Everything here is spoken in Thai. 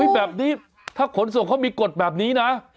แบบนี้ถ้าขนส่งเขามีกฎแบบนี้นะ